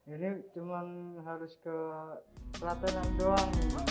ini cuma harus ke pelatenan doang